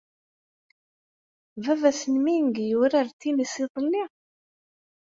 Baba-s n Ming yurar tennis iḍelli?